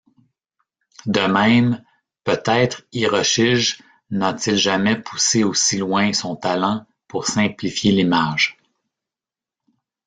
De même, peut-être Hiroshige n'a-t-il jamais poussé aussi loin son talent pour simplifier l'image.